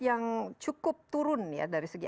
yang cukup turun ya dari segi